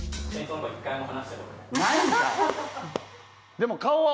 でも顔は。